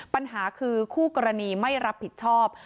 ปัญหาคือคู่กรณีไม่รับผิดชอบ